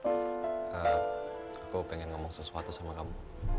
aku pengen ngomong sesuatu sama kamu